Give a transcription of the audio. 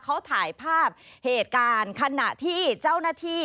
เขาถ่ายภาพเหตุการณ์ขณะที่เจ้าหน้าที่